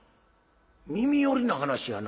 「耳寄りな話やな。